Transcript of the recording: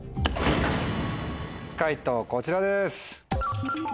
解答こちらです。